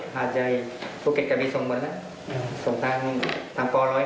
มาให้ต่างคนต่างมีรายได้กันไม่ต้องมาขอเลย